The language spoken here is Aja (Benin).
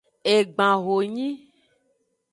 Egban honyi.